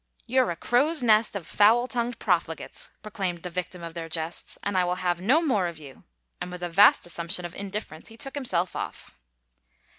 "You're a crow's nest of foul tongued profligates," proclaimed the victim of their jests, " and I will have no more of you," and with a vast assimiption of indif ference he took himself off.